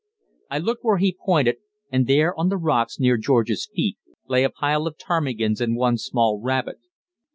I looked where he pointed, and there on the rocks near George's feet lay a pile of ptarmigans and one small rabbit.